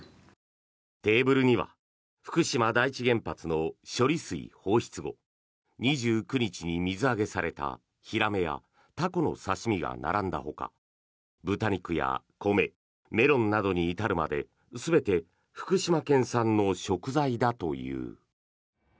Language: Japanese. テーブルには福島第一原発の処理水放出後２９日に水揚げされたヒラメやタコの刺し身が並んだほか豚肉や米、メロンなどに至るまで全て福島県産の食材だという。